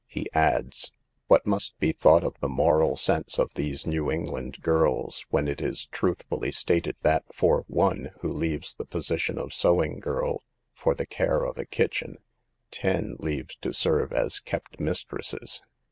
He adds :" What musfc be thought of the moral sense of these New England girls, when it is truth fully stated that for one who leaves the position of sewing girl for the care of a kitchen, ten leave to serve as kept mistresses?